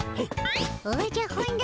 おじゃ本田。